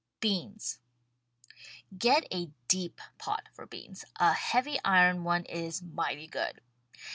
BEANS Get a deep pot for beans. A heavy iron one is mighty good.